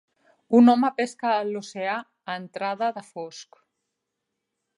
Un home pesca a l'oceà a entrada de fosc.